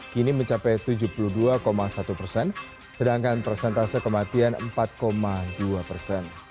kini mencapai tujuh puluh dua satu persen sedangkan persentase kematian empat dua persen